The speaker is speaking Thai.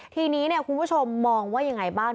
ทีนี้คุณผู้ชมมองว่ายังไงบ้าง